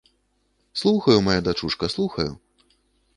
Слухаю, мая дачушка, слухаю.